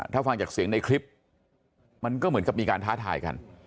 ถ้าฟังจากเสียงในคลิปมันก็เหมือนกับมีการท้าทายกัน